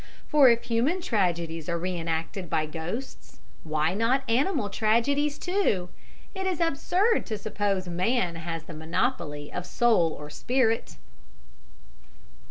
For if human tragedies are re enacted by ghosts, why not animal tragedies too? It is absurd to suppose man has the monopoly of soul or spirit."